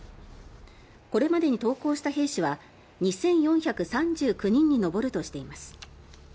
これまでに投降した兵士は２４３９人に上るとしています。